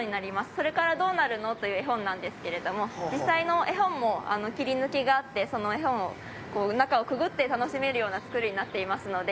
『それからどうなるの？』という絵本なんですけれども実際の絵本も切り抜きがあってその絵本の中をくぐって楽しめるようなつくりになっていますので。